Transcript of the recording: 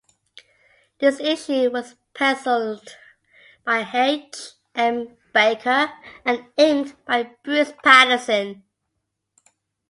This issue was pencilled by H. M. Baker and inked by Bruce Patterson.